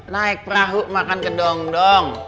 naik perahu makan kedong dong